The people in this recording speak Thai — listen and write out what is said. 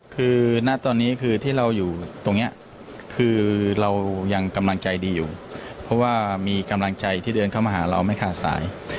คือณตอนนี้คือที่เราอยู่ตรงนี้คือเรายังกำลังใจดีอยู่เพราะว่ามีกำลังใจที่เดินเข้ามาหาเราไม่ขาดสาย